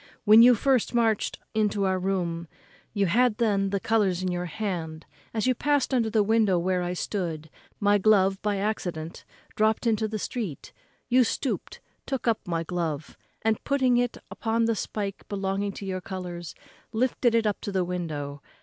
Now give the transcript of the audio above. When you first marched into our town, you had then the colours in your hand; as you passed under the window where I stood, my glove, by accident, dropt into the street; you stoopt, took up my glove, and, putting it upon the spike belonging to your colours, lifted it up to the window.